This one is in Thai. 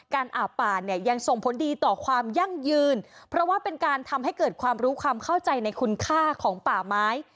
อาบป่าเนี่ยยังส่งผลดีต่อความยั่งยืนเพราะว่าเป็นการทำให้เกิดความรู้ความเข้าใจในคุณค่าของป่าไม้